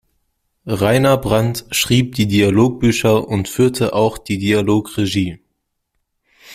Rainer Brandt schrieb die Dialogbücher und führte auch die Dialogregie.